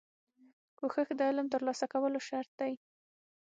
کوښښ د علم ترلاسه کولو شرط دی.